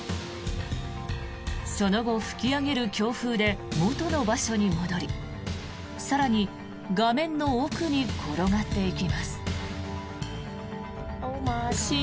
その後、吹き上げる強風で元の場所に戻り更に、画面の奥に転がっていきます。